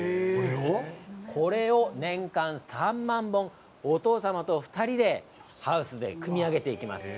これを年間３万本お父様と２人でハウスで積み上げていきます。